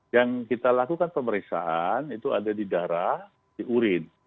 yang kita lakukan pemeriksaan itu ada di darah di urin